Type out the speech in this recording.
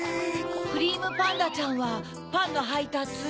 クリームパンダちゃんはパンのはいたつ？